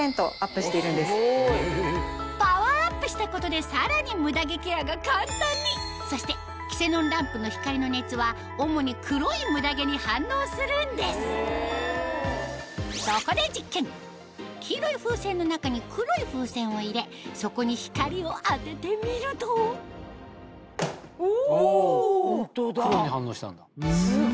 パワーアップしたことでさらにムダ毛ケアが簡単にそしてキセノンランプの光の熱はそこで実験黄色い風船の中に黒い風船を入れそこに光を当ててみるとお！